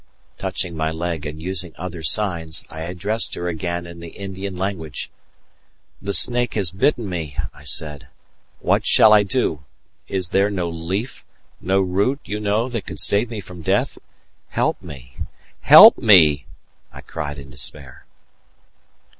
Touching my leg, and using other signs, I addressed her again in the Indian language. "The snake has bitten me," I said. "What shall I do? Is there no leaf, no root you know that would save me from death? Help me! help me!" I cried in despair.